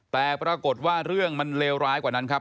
แต่ปรากฏว่าเรื่องมันเลวร้ายกว่านั้นครับ